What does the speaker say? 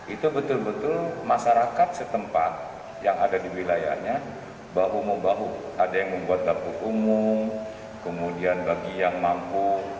itu betul betul masyarakat setempat yang ada di wilayahnya bahu membahu ada yang membuat dapur umum kemudian bagi yang mampu